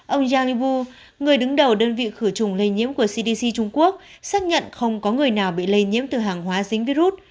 ông yangibo người đứng đầu đơn vị khử trùng lây nhiễm của cdc trung quốc xác nhận không có người nào bị lây nhiễm từ hàng hóa dính virus